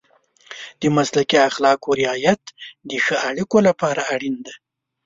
د مسلکي اخلاقو رعایت د ښه اړیکو لپاره اړین دی.